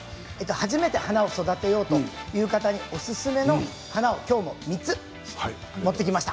はじめて花を育てようという方におすすめの花を、きょうも３つ持ってきました。